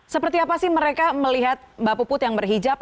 seperti apa sih mereka melihat mbak puput yang berhijab